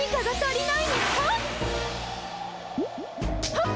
はっ！